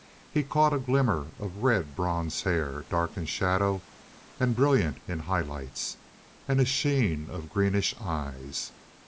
He caught a glimmer of red bronze hair, dark in shadow and brilliant in high lights, and a sheen of greenish eyes.